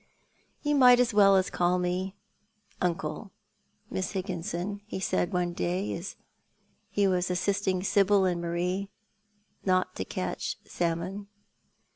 " You might as well call me uncle, Miss Higginson," he said one day, when he was assisting Sibyl and ]\Iarie not to catch salmon.